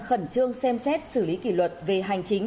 khẩn trương xem xét xử lý kỷ luật về hành chính